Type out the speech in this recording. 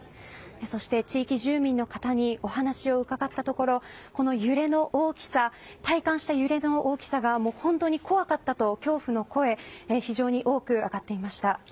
そして、地域住民の方にお話を伺ったところこの揺れの大きさ、体感した揺れの大きさが本当に怖かったと恐怖の声が非常に多く上がっていました。